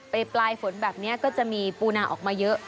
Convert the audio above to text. ปลายฝนแบบนี้ก็จะมีปูนาออกมาเยอะ